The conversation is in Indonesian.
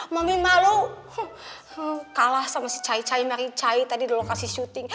momi malu kalah sama si cai cai mari cai tadi di lokasi syuting